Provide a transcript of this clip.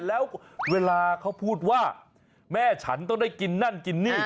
แล้วเวลาเขาพูดว่าแม่ฉันต้องได้กินนั่นกินนี่